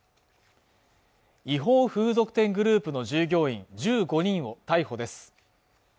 違法風俗店グループの従業員１５人を逮捕です